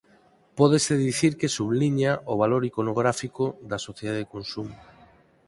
Pódese dicir que subliña o valor iconográfico da sociedade de consumo.